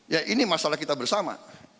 ya ini masalah kita bersama